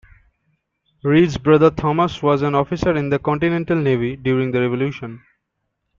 Read's brother Thomas was an officer in the Continental Navy during the Revolution.